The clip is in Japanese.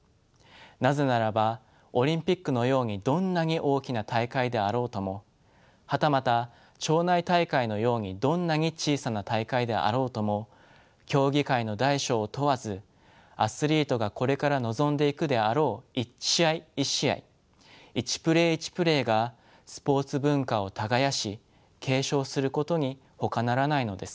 なぜならばオリンピックのようにどんなに大きな大会であろうともはたまた町内大会のようにどんなに小さな大会であろうとも競技会の大小を問わずアスリートがこれから臨んでいくであろう一試合一試合一プレー一プレーがスポーツ文化を耕し継承することにほかならないのですから。